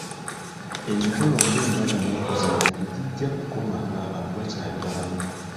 Emikolo nga embaga n'okuziika tegijja kukoma nga abantu bakyali balamu.